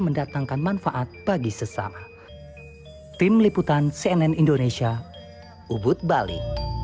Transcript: mendatangkan manfaat bagi sesama tim liputan cnn indonesia ubud bali